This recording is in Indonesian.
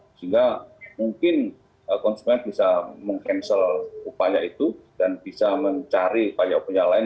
sehingga mungkin konsumen bisa meng cancel upaya itu dan bisa mencari upaya upaya lain